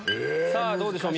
どうでしょう？